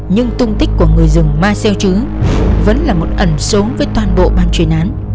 nhưng tung tích của người rừng ma seo trứ vẫn là một ẩn số với toàn bộ ban chuyển án